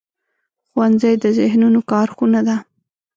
ښوونځی د ذهنونو کارخونه ده